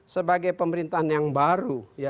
sebagai pemerintahan yang baru